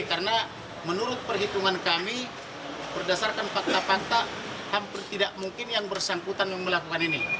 karena menurut perhitungan kami berdasarkan fakta fakta hampir tidak mungkin yang bersangkutan melakukan ini